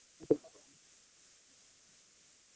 আমাদেরই এ যুগের নূতন আলোক হতে হবে।